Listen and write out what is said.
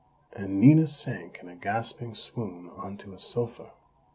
and Nina sank in a gasping swoon onto a sofa.